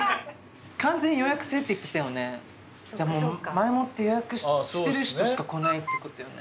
前もって予約してる人しか来ないってことよね。